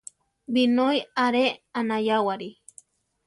Binói aáre anayáwari.